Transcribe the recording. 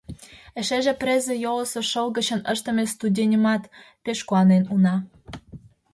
Эшеже презе йолысо шыл гычын ыштыме студеньымат! — пеш куанен уна.